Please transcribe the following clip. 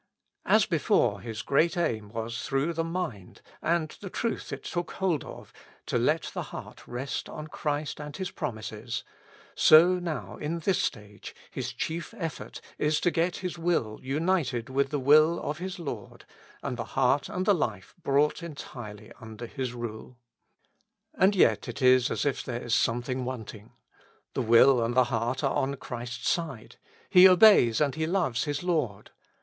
As before his great aim was through the mind, and the truth it took hold of, to let the heart rest on Christ and His promises ; so now, in this stage, his chief effort is to get his will united with the will of his Lord, and the heart and the life brought entirely under His rule. And yet it is as if there is something w^anting. The will and the heart are on Christ's side; he obeys and he loves his Lord.